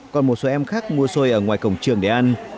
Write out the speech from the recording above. còn một số em khác mua xôi ở ngoài cổng trường để ăn